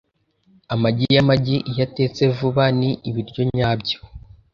Amagi yamagi, iyo atetse vuba, ni ibiryo nyabyo .